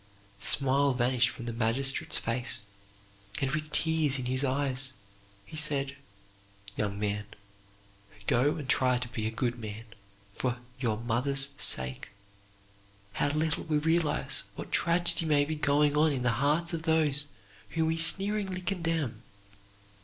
The smile vanished from the magistrate's face and, with tears in his eyes, he said, "Young man, go and try to be a good man, for your mother's sake." How little we realize what tragedy may be going on in the hearts of those whom we sneeringly condemn!